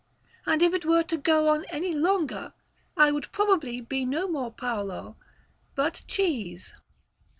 And if it were to go on any longer, I would probably be no more Paolo, but cheese."